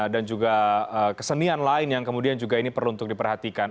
dan juga kesenian lain yang kemudian juga ini perlu untuk diperhatikan